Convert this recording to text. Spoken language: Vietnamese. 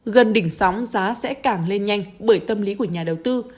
gần đỉnh sóng giá sẽ càng lên nhanh bởi tâm lý của nhà đầu tư